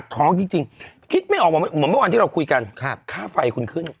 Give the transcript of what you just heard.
ท้องจริงคิดไม่ออกมาเหมือนเมื่อวานที่เราคุยกันค่าไฟคุณขึ้น